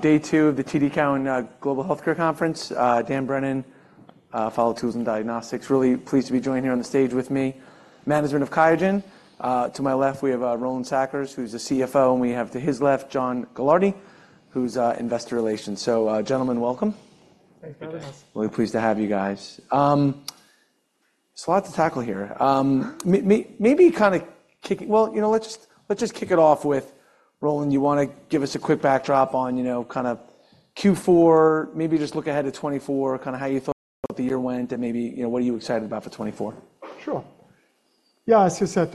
Day two of the TD Cowen Global Health Care Conference. Dan Brennan, Life Science Tools and Diagnostics, really pleased to be joined here on the stage with me. Management of QIAGEN. To my left, we have Roland Sackers, who's the CFO, and we have to his left, John Sheldon, who's Investor Relations. So, gentlemen, welcome. Thanks, guys. Really pleased to have you guys. There's a lot to tackle here. Maybe, you know, let's just kick it off with Roland. You want to give us a quick backdrop on, you know, kind of Q4, maybe just look ahead to 2024, kind of how you thought the year went, and maybe, you know, what are you excited about for 2024? Sure. Yeah, as you said,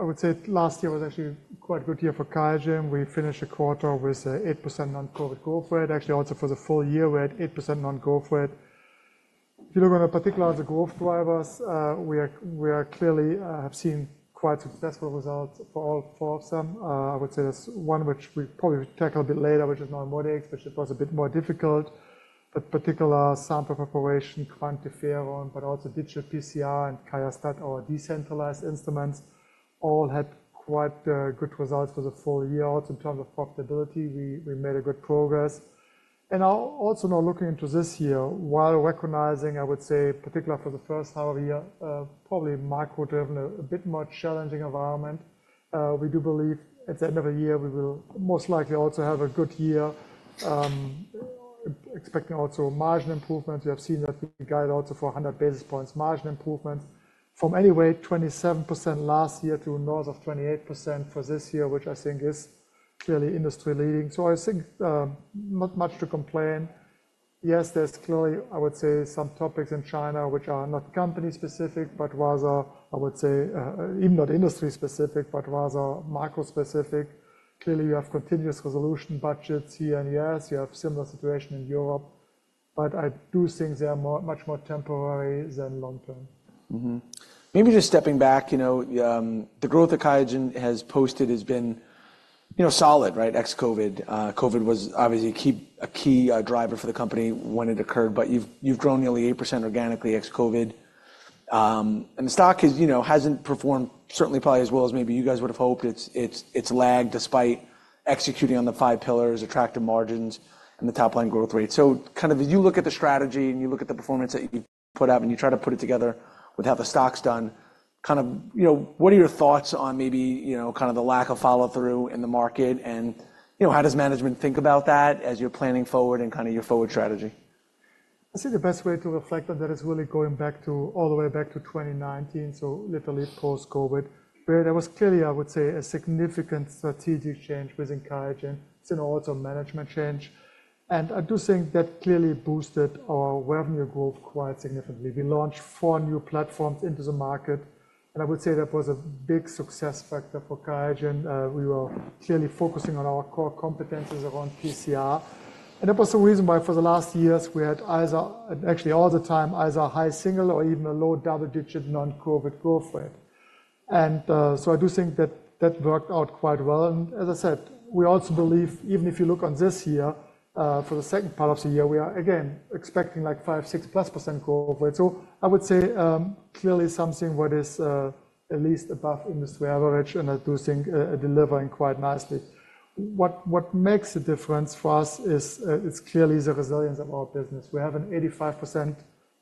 I would say last year was actually quite a good year for QIAGEN. We finished the quarter with 8% non-GAAP growth rate actually. Also for the full year, we had 8% non-GAAP growth rate. If you look at the particulars of the growth drivers, we clearly have seen quite successful results for all four of them. I would say there's one which we probably will tackle a bit later, which is NeuMoDx, which was a bit more difficult. But in particular sample preparation, QuantiFERON, but also Digital PCR and QIAstat-Dx, our decentralized instruments, all had quite good results for the full year. Also in terms of profitability, we made a good progress. I'll also now looking into this year, while recognizing, I would say, particularly for the first half of the year, probably micro-driven, a bit more challenging environment, we do believe at the end of the year we will most likely also have a good year, expecting also margin improvements. We have seen that we got it also for 100 basis points margin improvements. From anyway, 27% last year to north of 28% for this year, which I think is clearly industry-leading. So I think, not much to complain. Yes, there's clearly, I would say, some topics in China which are not company-specific, but rather, I would say, even not industry-specific, but rather micro-specific. Clearly, you have continuous resolution budgets here in the U.S. You have a similar situation in Europe. But I do think they are much more temporary than long-term. Mm-hmm. Maybe just stepping back, you know, the growth that QIAGEN has posted has been, you know, solid, right? Ex-COVID. COVID was obviously a key driver for the company when it occurred. But you've grown nearly 8% organically ex-COVID. And the stock has, you know, hasn't performed certainly probably as well as maybe you guys would have hoped. It's lagged despite executing on the five pillars, attractive margins, and the top-line growth rate. So kind of as you look at the strategy and you look at the performance that you've put out and you try to put it together with how the stock's done, kind of, you know, what are your thoughts on maybe, you know, kind of the lack of follow-through in the market? And, you know, how does management think about that as you're planning forward and kind of your forward strategy? I'd say the best way to reflect on that is really going back to all the way back to 2019, so literally post-COVID, where there was clearly, I would say, a significant strategic change within QIAGEN. It's also a management change. I do think that clearly boosted our revenue growth quite significantly. We launched four new platforms into the market. I would say that was a big success factor for QIAGEN. We were clearly focusing on our core competences around PCR. That was the reason why for the last years we had either actually all the time either a high single or even a low double-digit non-COVID growth rate. So I do think that that worked out quite well. As I said, we also believe even if you look on this year, for the second part of the year, we are, again, expecting like 5%-6+% growth rate. So I would say, clearly something what is, at least above industry average. And I do think, delivering quite nicely. What what makes a difference for us is, it's clearly the resilience of our business. We have an 85%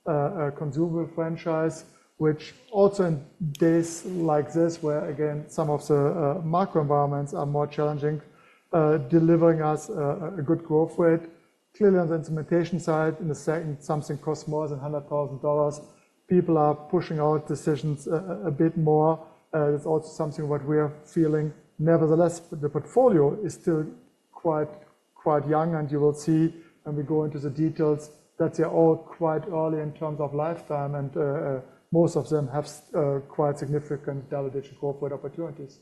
consumables franchise, which also in days like this where, again, some of the, micro-environments are more challenging, delivering us, a good growth rate. Clearly, on the implementation side, in the second, something costs more than $100,000. People are pushing out decisions, a bit more. It's also something what we are feeling. Nevertheless, the portfolio is still quite quite young. And you will see when we go into the details that they're all quite early in terms of lifetime. Most of them have quite significant double-digit growth rate opportunities.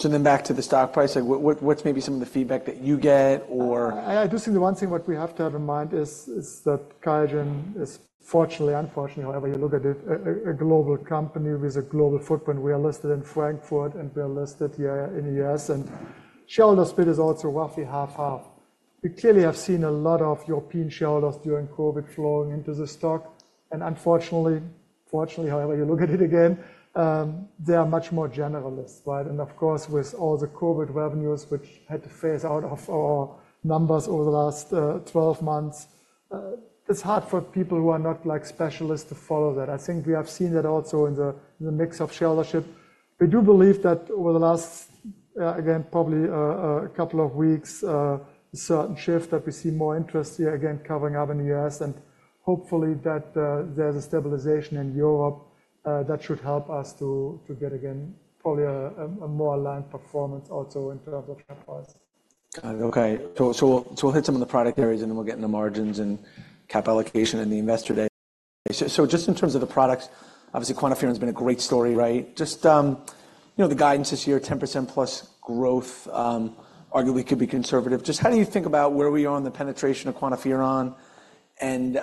Back to the stock price. Like, what's maybe some of the feedback that you get, or? I do think the one thing what we have to have in mind is that QIAGEN is fortunately, unfortunately, however you look at it, a global company with a global footprint. We are listed in Frankfurt, and we are listed here in the U.S. And shareholder split is also roughly 50/50. We clearly have seen a lot of European shareholders during COVID flowing into the stock. And unfortunately fortunately, however you look at it again, they are much more generalists, right? And of course, with all the COVID revenues which had to phase out of our numbers over the last 12 months, it's hard for people who are not, like, specialists to follow that. I think we have seen that also in the mix of shareholdership. We do believe that over the last, again, probably, a couple of weeks, a certain shift that we see more interest here, again, covering up in the U.S. And hopefully that, there's a stabilization in Europe, that should help us to get, again, probably a more aligned performance also in terms of share price. Got it. Okay. So we'll hit some of the product areas, and then we'll get into margins and cap allocation and the investor day. So just in terms of the products, obviously, QuantiFERON's been a great story, right? Just, you know, the guidance this year, 10%+ growth, arguably could be conservative. Just how do you think about where we are on the penetration of QuantiFERON? And,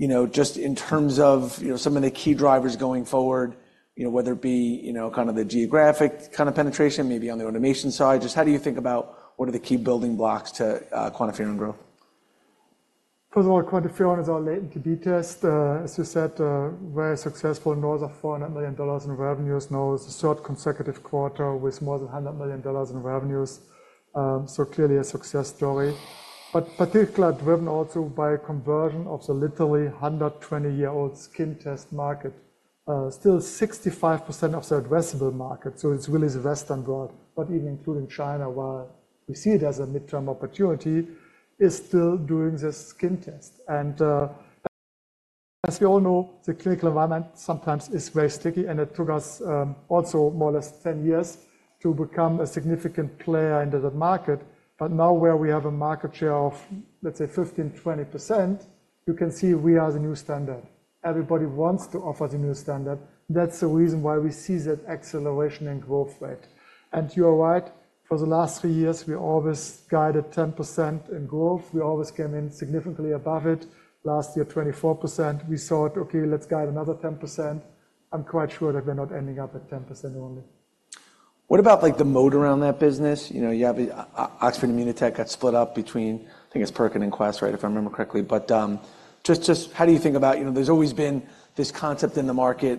you know, just in terms of, you know, some of the key drivers going forward, you know, whether it be, you know, kind of the geographic kind of penetration, maybe on the automation side, just how do you think about what are the key building blocks to QuantiFERON growth? First of all, QuantiFERON is our latent TB test, as you said, very successful, north of $400 million in revenues. Now it's the third consecutive quarter with more than $100 million in revenues. So clearly a success story. But particularly driven also by a conversion of the literally 120-year-old skin test market, still 65% of the addressable market. So it's really the Western world. But even including China, while we see it as a mid-term opportunity, is still doing this skin test. And, as we all know, the clinical environment sometimes is very sticky. And it took us, also more or less 10 years to become a significant player into that market. But now where we have a market share of, let's say, 15%-20%, you can see we are the new standard. Everybody wants to offer the new standard. That's the reason why we see that acceleration in growth rate. You are right. For the last three years, we always guided 10% in growth. We always came in significantly above it. Last year, 24%. We saw it, "Okay, let's guide another 10%." I'm quite sure that we're not ending up at 10% only. What about, like, the moat around that business? You know, you have a Oxford Immunotec got split up between, I think, it's PerkinElmer and Quest, right, if I remember correctly. But just how do you think about, you know, there's always been this concept in the market,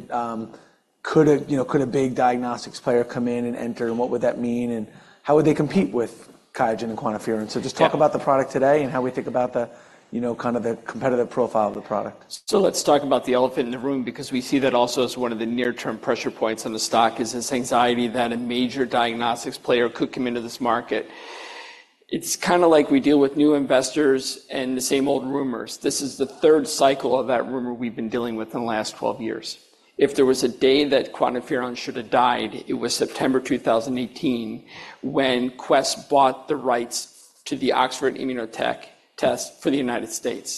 could a big diagnostics player come in and enter? And what would that mean? And how would they compete with QIAGEN and QuantiFERON? So just talk about the product today and how we think about the, you know, kind of the competitive profile of the product. So let's talk about the elephant in the room because we see that also as one of the near-term pressure points on the stock is this anxiety that a major diagnostics player could come into this market. It's kind of like we deal with new investors and the same old rumors. This is the third cycle of that rumor we've been dealing with in the last 12 years. If there was a day that QuantiFERON should have died, it was September 2018 when Quest bought the rights to the Oxford Immunotec test for the United States.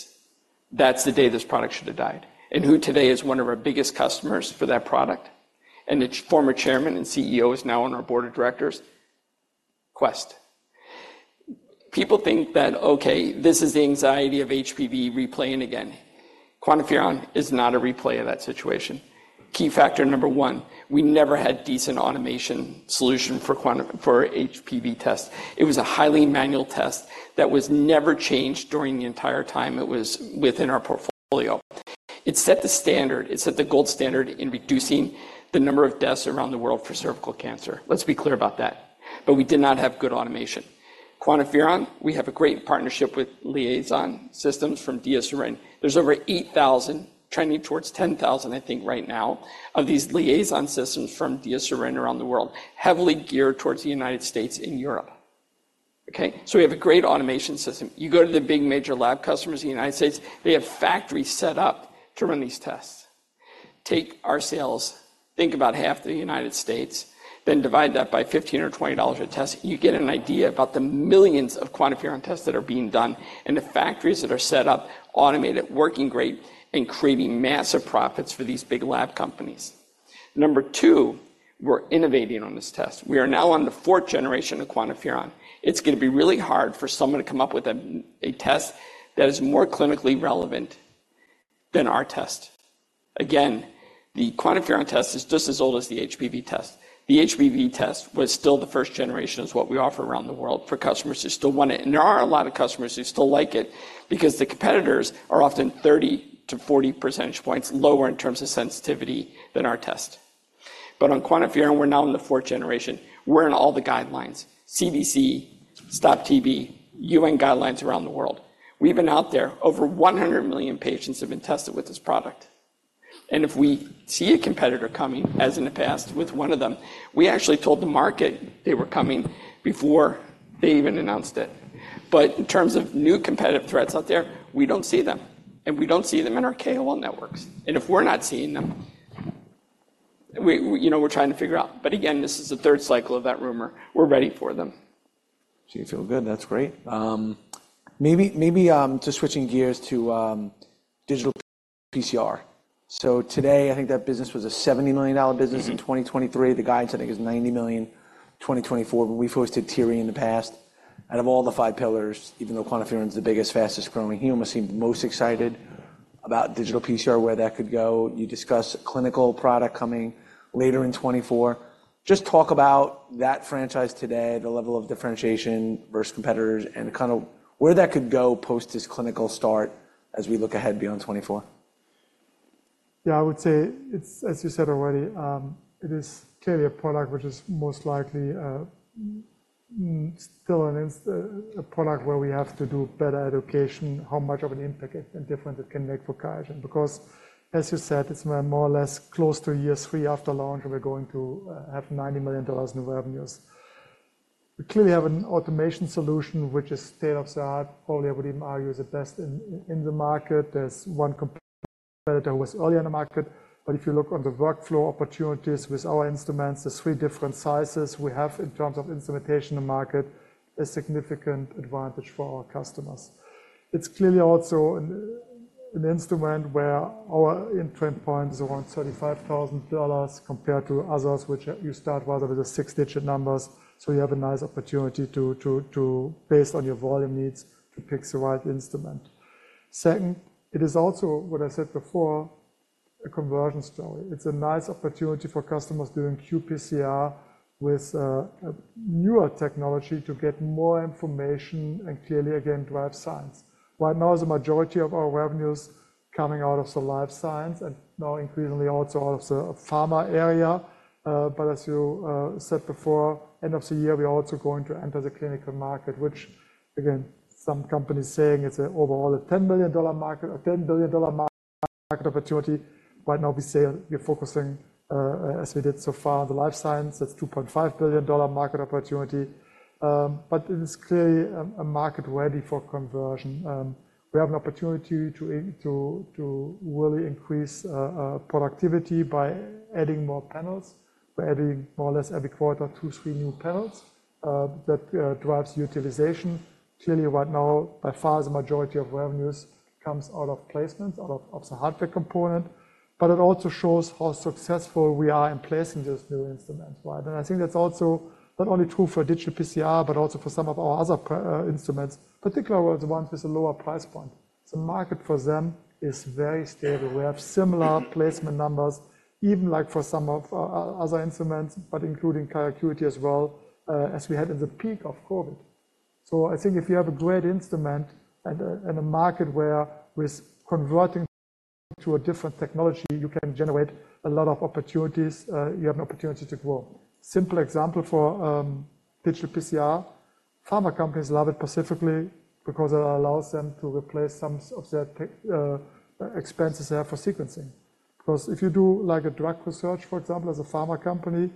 That's the day this product should have died. And who today is one of our biggest customers for that product? And its former chairman and CEO is now on our board of directors, Quest. People think that, "Okay, this is the anxiety of HPV replaying again." QuantiFERON is not a replay of that situation. Key factor number 1, we never had a decent automation solution for the HPV tests. It was a highly manual test that was never changed during the entire time it was within our portfolio. It set the standard. It set the gold standard in reducing the number of deaths around the world for cervical cancer. Let's be clear about that. But we did not have good automation. QuantiFERON, we have a great partnership with LIAISON systems from DiaSorin. There's over 8,000, trending towards 10,000, I think, right now, of these LIAISON systems from DiaSorin around the world, heavily geared towards the United States and Europe. Okay? So we have a great automation system. You go to the big major lab customers in the United States, they have factories set up to run these tests. Take our sales, think about half the United States, then divide that by $15 or $20 a test. You get an idea about the millions of QuantiFERON tests that are being done and the factories that are set up, automated, working great, and creating massive profits for these big lab companies. Number two, we're innovating on this test. We are now on the fourth generation of QuantiFERON. It's going to be really hard for someone to come up with a test that is more clinically relevant than our test. Again, the QuantiFERON test is just as old as the HPV test. The HPV test was still the first generation of what we offer around the world for customers who still want it. And there are a lot of customers who still like it because the competitors are often 30-40 percentage points lower in terms of sensitivity than our test. But on QuantiFERON, we're now in the fourth generation. We're in all the guidelines: CDC, Stop TB, UN guidelines around the world. We've been out there. Over 100 million patients have been tested with this product. And if we see a competitor coming, as in the past with one of them, we actually told the market they were coming before they even announced it. But in terms of new competitive threats out there, we don't see them. And we don't see them in our KOL networks. And if we're not seeing them, we, you know, we're trying to figure out. But again, this is the third cycle of that rumor. We're ready for them. So you feel good. That's great. Maybe, maybe just switching gears to digital PCR. So today, I think that business was a $70 million business in 2023. The guidance, I think, is $90 million in 2024. But we've hosted Thierry in the past. Out of all the five pillars, even though QuantiFERON's the biggest, fastest-growing, he almost seemed most excited about digital PCR, where that could go. You discuss a clinical product coming later in 2024. Just talk about that franchise today, the level of differentiation versus competitors, and kind of where that could go post this clinical start as we look ahead beyond 2024. Yeah. I would say it's, as you said already, it is clearly a product which is most likely still a product where we have to do better education how much of an impact and difference it can make for QIAGEN. Because, as you said, it's more or less close to year three after launch, and we're going to have $90 million in revenues. We clearly have an automation solution which is state-of-the-art, probably. I would even argue is the best in the market. There's one competitor who was earlier in the market. But if you look on the workflow opportunities with our instruments, the three different sizes we have in terms of instrumentation in the market, a significant advantage for our customers. It's clearly also an instrument where our entry point is around $35,000 compared to others, which you start rather with the six-digit numbers. So you have a nice opportunity to, based on your volume needs, to pick the right instrument. Second, it is also what I said before, a conversion story. It's a nice opportunity for customers doing qPCR with newer technology to get more information and clearly, again, drive science. Right now, the majority of our revenues are coming out of the life science and now increasingly also out of the pharma area. But as you said before, end of the year, we're also going to enter the clinical market, which, again, some companies are saying it's an overall a $10 million market or $10 billion market opportunity. Right now, we say we're focusing, as we did so far, on the life science. That's a $2.5 billion market opportunity. But it is clearly a market ready for conversion. We have an opportunity to really increase productivity by adding more panels. We're adding more or less every quarter 2, 3 new panels, that drives utilization. Clearly, right now, by far, the majority of revenues comes out of placements, out of the hardware component. But it also shows how successful we are in placing these new instruments, right? And I think that's also not only true for digital PCR but also for some of our other instruments, particularly the ones with a lower price point. The market for them is very stable. We have similar placement numbers, even like for some of our other instruments, but including QIAcuity as well, as we had in the peak of COVID. So I think if you have a great instrument and a market where with converting to a different technology, you can generate a lot of opportunities. You have an opportunity to grow. Simple example for Digital PCR, pharma companies love it specifically because it allows them to replace some of their expenses they have for sequencing. Because if you do, like, a drug research, for example, as a pharma company,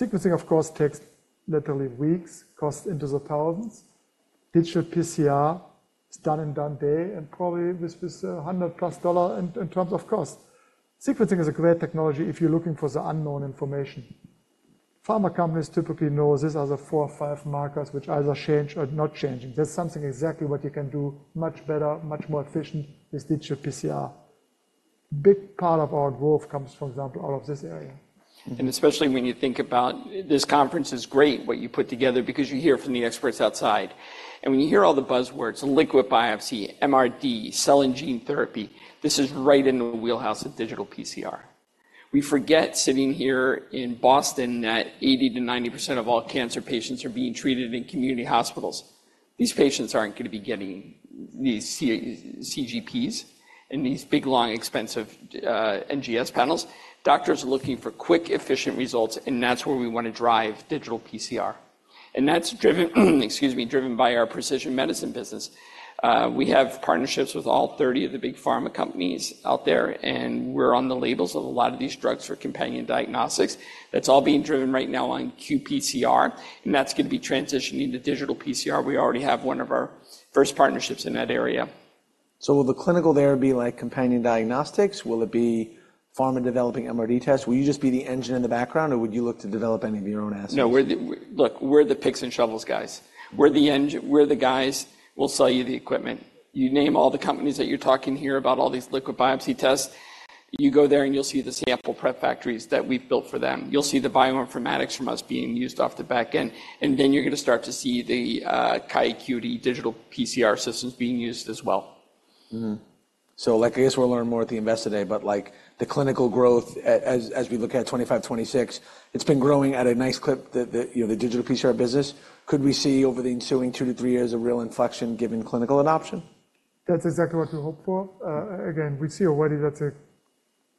sequencing, of course, takes literally weeks, costs into the $1,000s. Digital PCR is done in one day and probably with $100+ in terms of cost. Sequencing is a great technology if you're looking for the unknown information. Pharma companies typically know these are the four or five markers which either change or not change. That's something exactly what you can do much better, much more efficient with Digital PCR. A big part of our growth comes, for example, out of this area. And especially when you think about this conference is great, what you put together, because you hear from the experts outside. And when you hear all the buzzwords, liquid biopsy, MRD, cell and gene therapy, this is right in the wheelhouse of digital PCR. We forget sitting here in Boston that 80%-90% of all cancer patients are being treated in community hospitals. These patients aren't going to be getting these CGPs and these big, long, expensive, NGS panels. Doctors are looking for quick, efficient results, and that's where we want to drive digital PCR. And that's driven excuse me, driven by our precision medicine business. We have partnerships with all 30 of the big pharma companies out there, and we're on the labels of a lot of these drugs for companion diagnostics. That's all being driven right now on qPCR, and that's going to be transitioning to digital PCR. We already have one of our first partnerships in that area. So will the clinical there be like companion diagnostics? Will it be pharma developing MRD tests? Will you just be the engine in the background, or would you look to develop any of your own assets? No. We're the picks and shovels guys. We're the guys who will sell you the equipment. You name all the companies that you're talking here about all these liquid biopsy tests, you go there and you'll see the sample prep factories that we've built for them. You'll see the bioinformatics from us being used off the back end. And then you're going to start to see the QIAcuity digital PCR systems being used as well. Mm-hmm. So, like, I guess we'll learn more at the Investor Day, but, like, the clinical growth, as we look at 2025, 2026, it's been growing at a nice clip, you know, the digital PCR business. Could we see over the ensuing two to three years a real inflection given clinical adoption? That's exactly what we hope for. Again, we see already that's,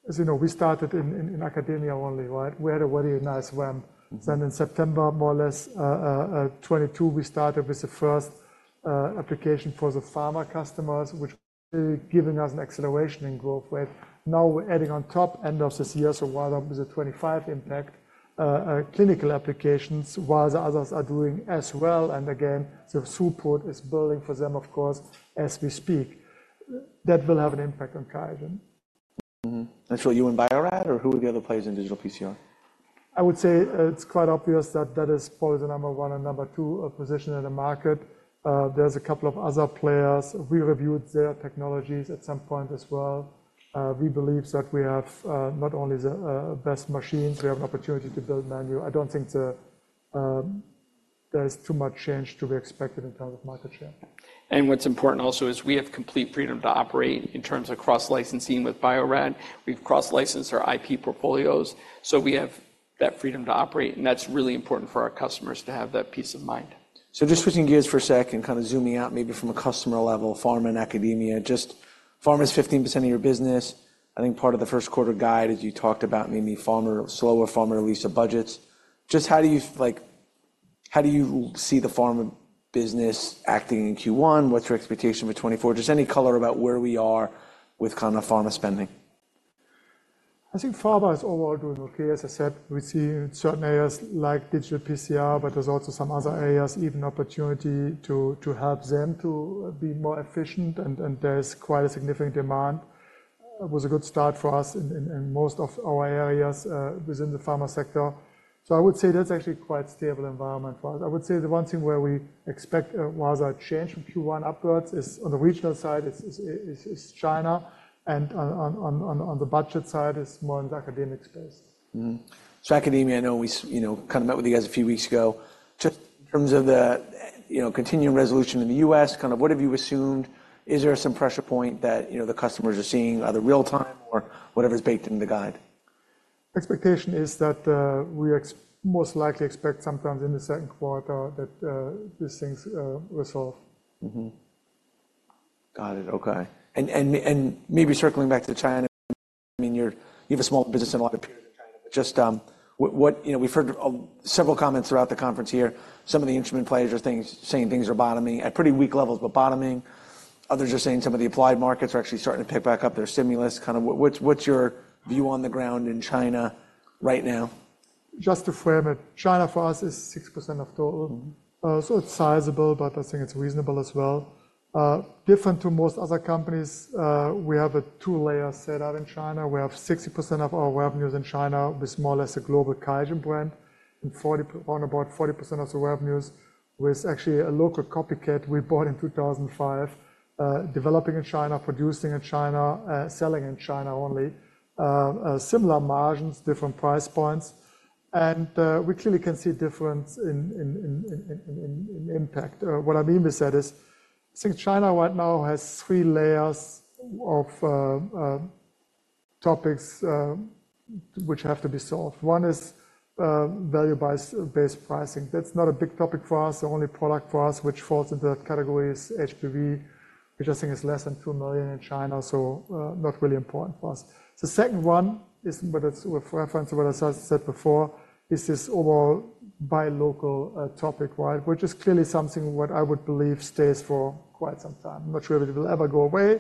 as you know, we started in academia only, right? We had already a nice start. So then in September, more or less, 2022, we started with the first application for the pharma customers, which is giving us an acceleration in growth rate. Now we're adding on top, end of this year or whatever, with a 2025 impact, clinical applications, while the others are doing as well. And again, the support is building for them, of course, as we speak. That will have an impact on QIAGEN. Mm-hmm. That's for in Bio-Rad, or who are the other players in digital PCR? I would say it's quite obvious that that is probably the number one and number two position in the market. There's a couple of other players. We reviewed their technologies at some point as well. We believe that we have not only the best machines, we have an opportunity to build manual. I don't think there's too much change to be expected in terms of market share. What's important also is we have complete freedom to operate in terms of cross-licensing with Bio-Rad. We've cross-licensed our IP portfolios, so we have that freedom to operate. That's really important for our customers to have that peace of mind. So just switching gears for a second, kind of zooming out maybe from a customer level, pharma and academia, just pharma is 15% of your business. I think part of the first quarter guide, as you talked about, maybe pharma slower pharma release of budgets. Just how do you, like, how do you see the pharma business acting in Q1? What's your expectation for 2024? Just any color about where we are with kind of pharma spending. I think pharma is overall doing okay. As I said, we see certain areas like digital PCR, but there's also some other areas, even opportunity to help them to be more efficient. And there's quite a significant demand. It was a good start for us in most of our areas, within the pharma sector. So I would say that's actually quite a stable environment for us. I would say the one thing where we expect rather a change from Q1 upwards is on the regional side. It's China. And on the budget side, it's more in the academic space. Mm-hmm. So academia, I know we, you know, kind of met with you guys a few weeks ago. Just in terms of the, you know, continuing resolution in the U.S., kind of what have you assumed? Is there some pressure point that, you know, the customers are seeing? Are they real-time or whatever's baked into the guide? Expectation is that we most likely expect sometime in the second quarter that these things resolve. Mm-hmm. Got it. Okay. And maybe circling back to QIAGEN, I mean, you have a small business and a lot of peers in China. But just, what, you know, we've heard several comments throughout the conference here. Some of the instrument players are saying things are bottoming at pretty weak levels, but bottoming. Others are saying some of the applied markets are actually starting to pick back up their stimulus. Kind of what's your view on the ground in China right now? Just a framework. China for us is 6% of total. So it's sizable, but I think it's reasonable as well. Different to most other companies, we have a two-layer setup in China. We have 60% of our revenues in China with more or less a global QIAGEN brand and 40 on about 40% of the revenues with actually a local copycat we bought in 2005, developing in China, producing in China, selling in China only, similar margins, different price points. And, we clearly can see difference in impact. What I mean with that is I think China right now has three layers of, topics, which have to be solved. One is, value-based pricing. That's not a big topic for us. The only product for us which falls into that category is HPV, which I think is less than $2 million in China, so not really important for us. The second one is what it's referencing, what I said before, is this overall buy local topic, right, which is clearly something what I would believe stays for quite some time. I'm not sure if it will ever go away,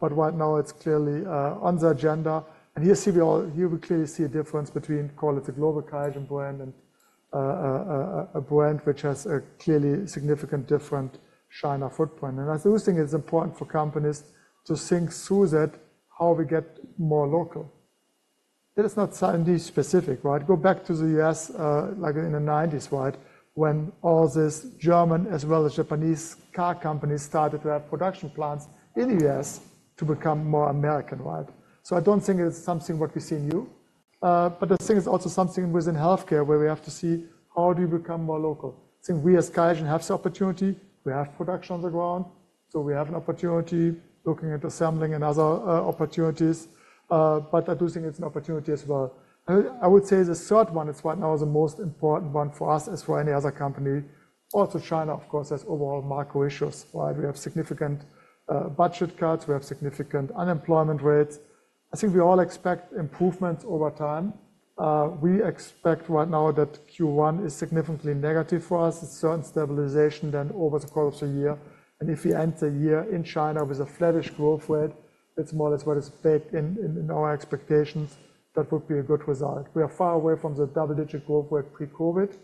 but right now, it's clearly on the agenda. And we clearly see a difference between, call it a global QIAGEN brand and a brand which has a clearly significant different China footprint. And I think it's important for companies to think through that, how we get more local. That is not certainly specific, right? Go back to the US, like in the '90s, right, when all these German as well as Japanese car companies started to have production plants in the US to become more American, right? So I don't think it's something what we see in the EU. But I think it's also something within healthcare where we have to see how do you become more local? I think we as QIAGEN have the opportunity. We have production on the ground. So we have an opportunity looking at assembling and other opportunities. But I do think it's an opportunity as well. I would say the third one is right now the most important one for us as for any other company. Also, China, of course, has overall macro issues, right? We have significant budget cuts. We have significant unemployment rates. I think we all expect improvements over time. We expect right now that Q1 is significantly negative for us. It's certain stabilization then over the course of the year. And if we end the year in China with a flattish growth rate, it's more or less what is baked in in our expectations. That would be a good result. We are far away from the double-digit growth rate pre-COVID.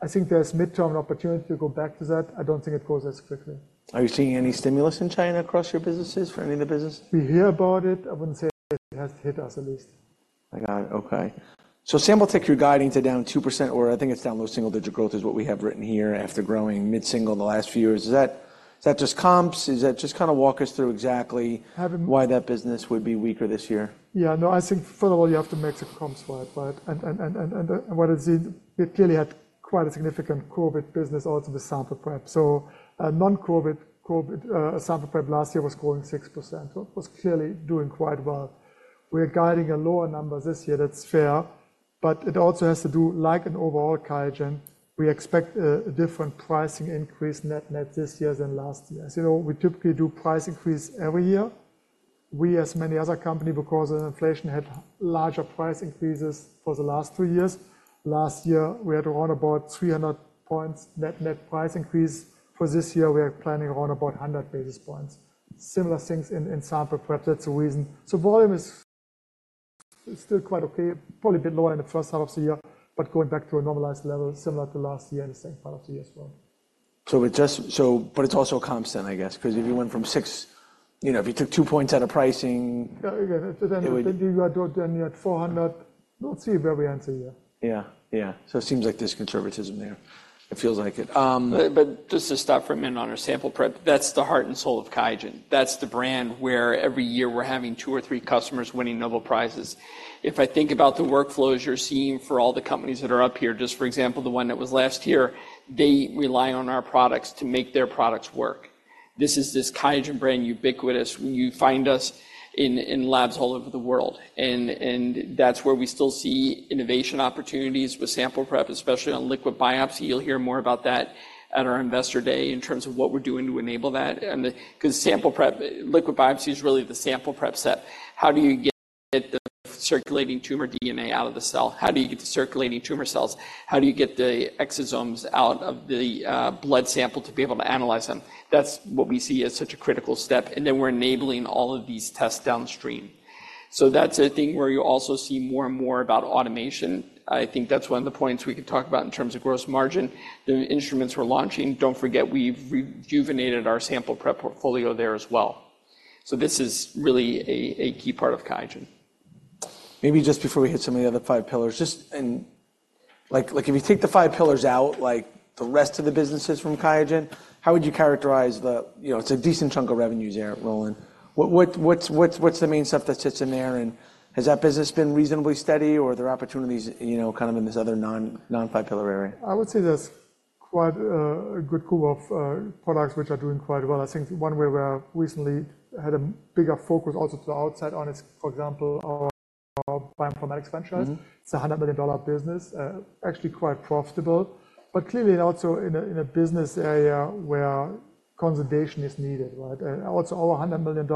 I think there's midterm opportunity to go back to that. I don't think it goes as quickly. Are you seeing any stimulus in China across your businesses for any of the businesses? We hear about it. I wouldn't say it has hit us at least. I got it. Okay. So Sample technologies, you're guiding to down 2%, or I think it's down low single-digit growth is what we have written here after growing mid-single the last few years. Is that just comps? Is that just kind of walk us through exactly why that business would be weaker this year? Yeah. No, I think first of all, you have to mix the comps, right? Right. And what I see, we clearly had quite a significant COVID business also with sample prep. So non-COVID, COVID, sample prep last year was growing 6%, so it was clearly doing quite well. We are guiding a lower number this year. That's fair. But it also has to do, like an overall QIAGEN, we expect a different pricing increase net-net this year than last year. As you know, we typically do price increase every year. We, as many other companies, because of inflation, had larger price increases for the last two years. Last year, we had around about 300 points net-net price increase. For this year, we are planning around about 100 basis points. Similar things in sample prep. That's the reason. Volume is still quite okay, probably a bit lower in the first half of the year, but going back to a normalized level similar to last year in the second part of the year as well. But it's also comps, then, I guess, because if you went from six, you know, if you took two points out of pricing, it would. Yeah. Again, then you had 400. We don't see a very answer here. Yeah. Yeah. So it seems like there's conservatism there. It feels like it. But just to stop for a minute on our sample prep, that's the heart and soul of QIAGEN. That's the brand where every year we're having two or three customers winning Nobel Prizes. If I think about the workflows you're seeing for all the companies that are up here, just for example, the one that was last year, they rely on our products to make their products work. This is this QIAGEN brand, ubiquitous. You find us in labs all over the world. And that's where we still see innovation opportunities with sample prep, especially on liquid biopsy. You'll hear more about that at our Investor Day in terms of what we're doing to enable that. And because sample prep liquid biopsy is really the sample prep set. How do you get the circulating tumor DNA out of the cell? How do you get the circulating tumor cells? How do you get the exosomes out of the blood sample to be able to analyze them? That's what we see as such a critical step. And then we're enabling all of these tests downstream. So that's a thing where you also see more and more about automation. I think that's one of the points we could talk about in terms of gross margin. The instruments we're launching, don't forget, we've rejuvenated our sample prep portfolio there as well. So this is really a key part of QIAGEN. Maybe just before we hit some of the other five pillars, like, if you take the five pillars out, like the rest of the businesses from QIAGEN, how would you characterize them? You know, it's a decent chunk of revenues there, Roland. What's the main stuff that sits in there? And has that business been reasonably steady, or are there opportunities, you know, kind of in this other non-five-pillar area? I would say there's quite a good couple of products which are doing quite well. I think one where we recently had a bigger focus also to the outside on is, for example, our bioinformatics franchise. It's a $100 million business, actually quite profitable, but clearly also in a business area where consolidation is needed, right? And also our $100 million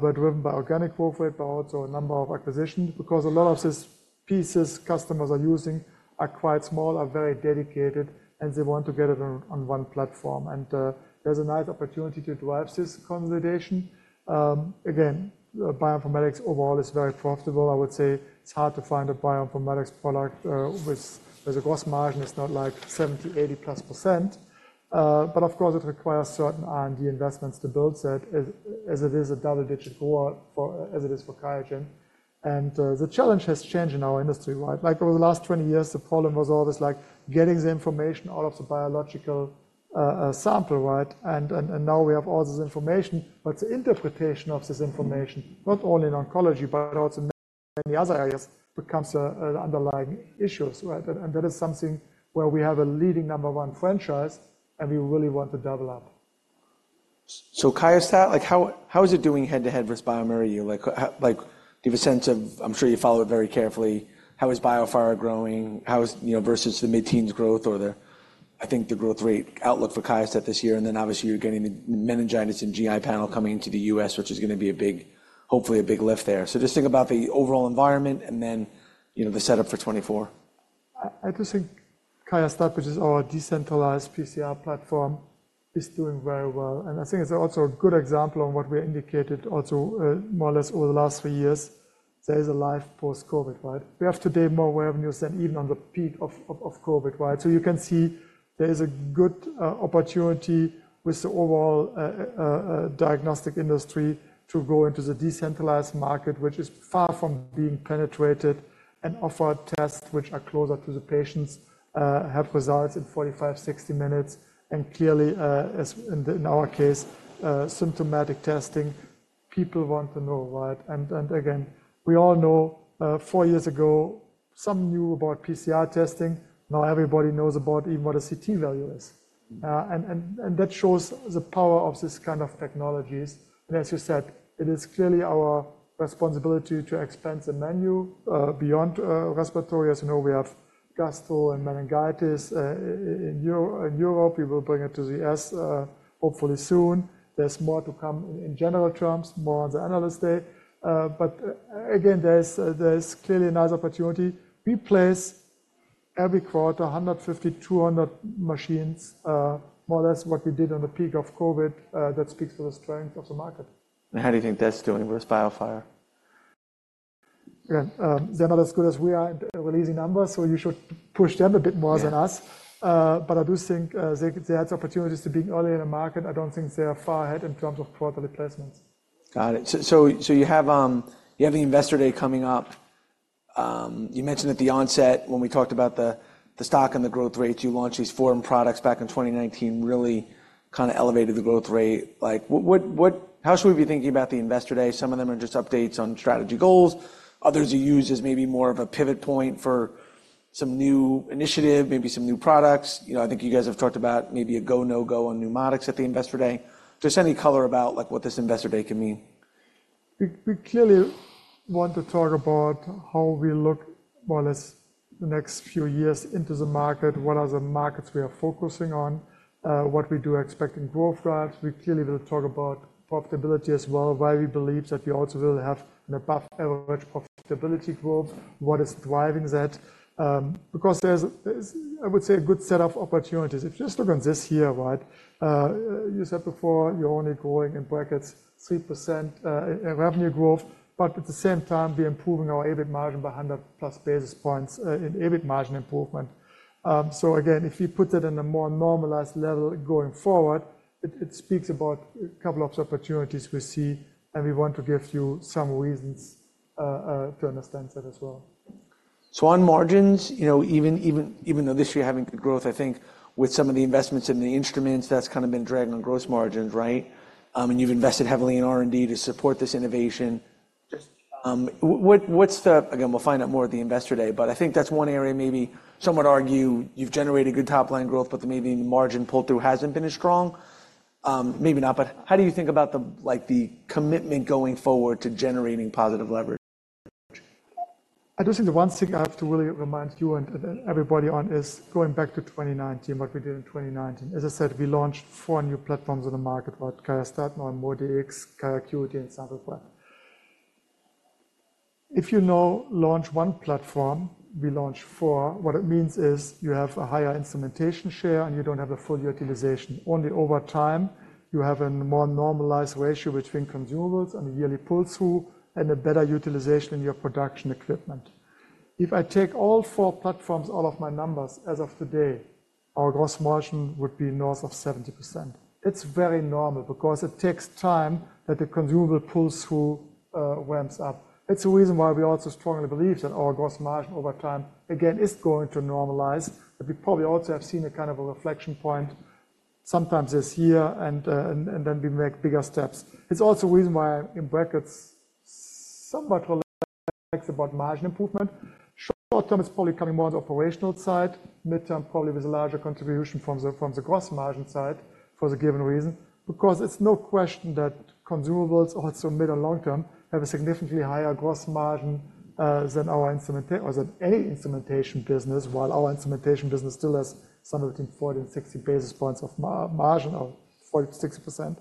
were driven by organic growth rate, but also a number of acquisitions because a lot of these pieces customers are using are quite small, are very dedicated, and they want to get it on one platform. And there's a nice opportunity to drive this consolidation. Again, bioinformatics overall is very profitable. I would say it's hard to find a bioinformatics product with the gross margin is not like 70%-80%+. But of course, it requires certain R&D investments to build that as it is a double-digit grower, as it is for QIAGEN. And the challenge has changed in our industry, right? Like over the last 20 years, the problem was always like getting the information out of the biological sample, right? And now we have all this information, but the interpretation of this information, not only in oncology but also in many other areas, becomes an underlying issue, right? And that is something where we have a leading number one franchise, and we really want to double up. So QIAstat-Dx, like how is it doing head-to-head with bioMérieux? Like do you have a sense of? I'm sure you follow it very carefully. How is bioMérieux growing? How is, you know, versus the mid-teens growth or the, I think, the growth rate outlook for QIAstat-Dx this year? And then obviously, you're getting the meningitis and GI panel coming into the U.S., which is going to be a big, hopefully a big lift there. So just think about the overall environment and then, you know, the setup for 2024. I just think QIAstat-Dx, which is our decentralized PCR platform, is doing very well. And I think it's also a good example on what we indicated also, more or less over the last three years. There is a life post-COVID, right? We have today more revenues than even on the peak of COVID, right? So you can see there is a good opportunity with the overall diagnostic industry to go into the decentralized market, which is far from being penetrated and offer tests which are closer to the patients, have results in 45-60 minutes. And clearly, as in our case, symptomatic testing, people want to know, right? And again, we all know, four years ago, some knew about PCR testing. Now everybody knows about even what a CT value is. And that shows the power of these kind of technologies. As you said, it is clearly our responsibility to expand the menu beyond respiratory. As you know, we have gastro and meningitis in Europe. We will bring it to the U.S., hopefully soon. There's more to come in general terms, more on the analyst day. But again, there's clearly a nice opportunity. We place every quarter 150-200 machines, more or less what we did on the peak of COVID. That speaks to the strength of the market. How do you think that's doing versus bioMerieux? Again, they're not as good as we are in releasing numbers, so you should push them a bit more than us. But I do think, they had opportunities to being early in the market. I don't think they are far ahead in terms of quarterly placements. Got it. So, you have the Investor Day coming up. You mentioned at the onset when we talked about the stock and the growth rates, you launched these four new products back in 2019, really kind of elevated the growth rate. Like, what how should we be thinking about the Investor Day? Some of them are just updates on strategy goals. Others are used as maybe more of a pivot point for some new initiative, maybe some new products. You know, I think you guys have talked about maybe a go, no-go on NeuMoDx at the Investor Day. Just any color about like what this Investor Day can mean. We clearly want to talk about how we look more or less the next few years into the market, what are the markets we are focusing on, what we do expect in growth drives. We clearly will talk about profitability as well, why we believe that we also will have an above-average profitability growth, what is driving that, because there's a good set of opportunities. If you just look on this here, right, you said before you're only growing in brackets 3%, revenue growth, but at the same time, we are improving our EBIT margin by 100+ basis points in EBIT margin improvement. Again, if you put that in a more normalized level going forward, it speaks about a couple of opportunities we see, and we want to give you some reasons to understand that as well. So on margins, you know, even though this year having good growth, I think with some of the investments in the instruments, that's kind of been dragging on gross margins, right? And you've invested heavily in R&D to support this innovation. Just, what's the, again, we'll find out more at the Investor Day, but I think that's one area maybe some would argue you've generated good top-line growth, but maybe the margin pull-through hasn't been as strong. Maybe not, but how do you think about like the commitment going forward to generating positive leverage? I do think the one thing I have to really remind you and everybody on is going back to 2019, what we did in 2019. As I said, we launched four new platforms in the market, right? QIAstat-Dx, NeuMoDx, QIAcuity, and Sample technologies. If you now launch one platform, we launch four. What it means is you have a higher instrumentation share, and you don't have a full utilization. Only over time, you have a more normalized ratio between consumables and a yearly pull-through and a better utilization in your production equipment. If I take all four platforms, all of my numbers as of today, our gross margin would be north of 70%. It's very normal because it takes time that the consumable pull-through ramps up. It's the reason why we also strongly believe that our gross margin over time, again, is going to normalize, that we probably also have seen a kind of a inflection point sometime this year, and then we make bigger steps. It's also the reason why I'm in brackets somewhat relaxed about margin improvement. Short term, it's probably coming more on the operational side. Mid-term, probably with a larger contribution from the from the gross margin side for the given reason because it's no question that consumables also mid and long-term have a significantly higher gross margin, than our instrumentation or than any instrumentation business, while our instrumentation business still has somewhere between 40 and 60 basis points of margin or 40%-60%.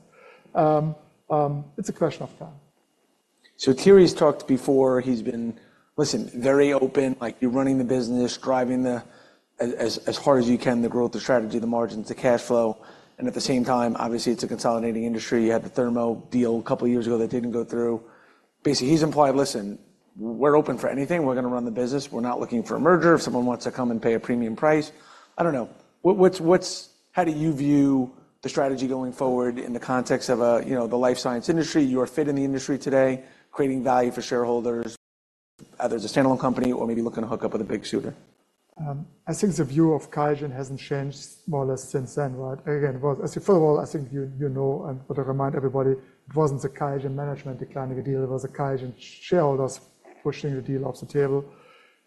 It's a question of time. So Thierry has talked before. He's been, listen, very open, like you're running the business, driving as hard as you can the growth, the strategy, the margins, the cash flow. And at the same time, obviously, it's a consolidating industry. You had the Thermo deal a couple of years ago that didn't go through. Basically, he's implied, "Listen, we're open for anything. We're going to run the business. We're not looking for a merger. If someone wants to come and pay a premium price." I don't know. What's how do you view the strategy going forward in the context of a, you know, the life science industry? How you fit in the industry today, creating value for shareholders. Either as a standalone company or maybe looking to hook up with a big suitor? I think the view of QIAGEN hasn't changed more or less since then, right? Again, it was as you first of all, I think you know, and I want to remind everybody, it wasn't the QIAGEN management declining the deal. It was the QIAGEN shareholders pushing the deal off the table.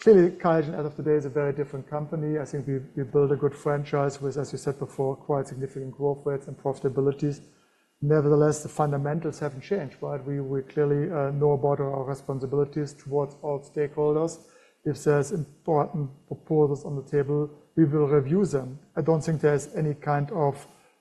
Clearly, QIAGEN as of today is a very different company. I think we built a good franchise with, as you said before, quite significant growth rates and profitabilities. Nevertheless, the fundamentals haven't changed, right? We clearly know about our responsibilities towards all stakeholders. If there's important proposals on the table, we will review them. I don't think there's any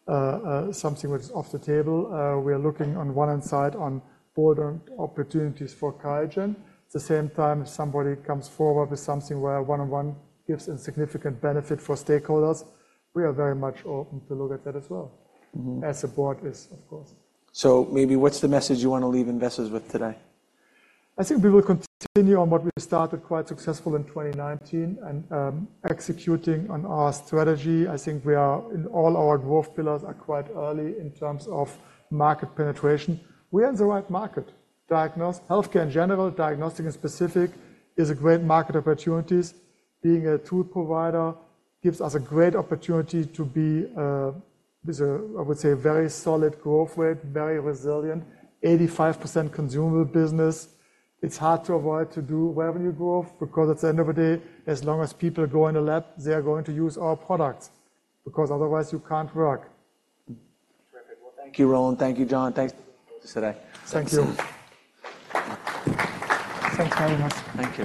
kind of something which is off the table. We are looking on one hand side on bolt-on opportunities for QIAGEN. At the same time, if somebody comes forward with something where one-on-one gives a significant benefit for stakeholders, we are very much open to look at that as well as the board is, of course. So maybe what's the message you want to leave investors with today? I think we will continue on what we started quite successful in 2019 and, executing on our strategy. I think we are in all our growth pillars are quite early in terms of market penetration. We are in the right market. Diagnostics healthcare in general, diagnostic and specific is a great market opportunities. Being a tool provider gives us a great opportunity to be, with a, I would say, very solid growth rate, very resilient, 85% consumable business. It's hard to avoid to do revenue growth because at the end of the day, as long as people go in the lab, they are going to use our products because otherwise, you can't work. Terrific. Well, thank you, Roland. Thank you, John. Thanks for being with us today. Thank you. Thanks very much. Thank you.